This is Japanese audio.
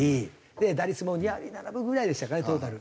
打率も２割７分ぐらいでしたかねトータル。